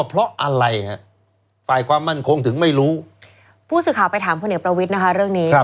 เอียงพระวิทย์นะคะเรื่องนี้